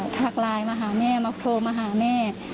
ทักไลน์มาหาแม่มาโทรมาหาแม่